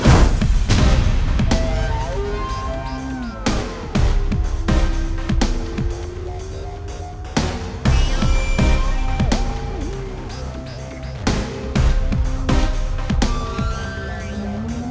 ibu pasti jadi ikut sedih